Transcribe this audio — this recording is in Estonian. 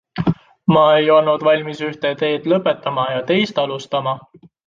Ma ei olnud valmis ühte teed lõpetama ja teist alustama.